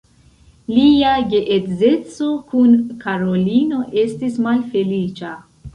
Lia geedzeco kun Karolino estis malfeliĉa.